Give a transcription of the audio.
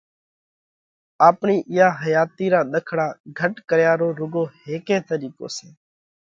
آپڻِي اِيئا حياتِي را ۮکڙا گھٽ ڪريا رو روڳو هيڪئه طريقو سئہ